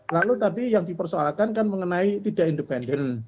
lalu tadi yang dipersoalkan kan mengenai tidak independen